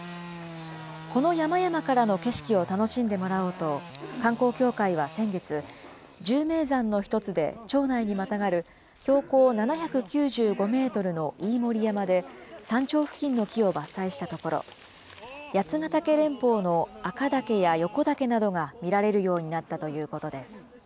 この山々からの景色を楽しんでもらおうと、観光協会は先月、１０名山の１つで町内にまたがる標高７９５メートルの飯盛山で、山頂付近の木を伐採したところ、八ヶ岳連峰の赤岳や横岳などが見られるようになったということです。